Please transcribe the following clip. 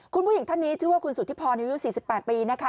คุณผู้หญิงท่านนี้ชื่อว่าคุณสุธิพรอายุ๔๘ปีนะคะ